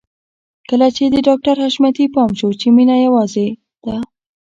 کله چې د ډاکټر حشمتي پام شو چې مينه يوازې ده.